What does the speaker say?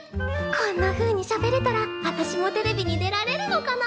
こんなふうにしゃべれたらわたしもテレビに出られるのかな？